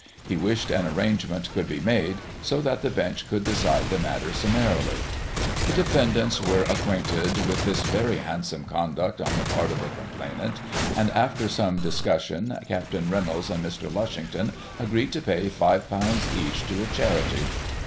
He wished an arrangement could be made, so that the bench could decide the matter summarily. The defendants were acquainted with this very handsome conduct on the part of the complainant, and, after some dis cussion, Capt Reynolds and Mr. Lushington agreed to pay £$ each to a charity.